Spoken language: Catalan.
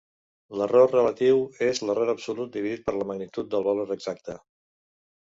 L'error relatiu és l'error absolut dividit per la magnitud del valor exacte.